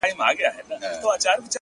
د غيږي د خوشبو وږم له مياشتو حيسيږي،